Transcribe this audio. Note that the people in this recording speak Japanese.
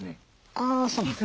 あそうなんですか。